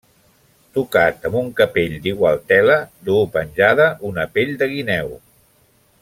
Tocat amb un capell d'igual tela, duu penjada una pell de guineu.